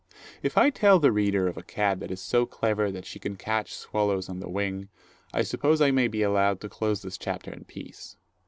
If I tell the reader of a cat that is so clever that she can catch swallows on the wing, I suppose I may be allowed to close this chapter in peace.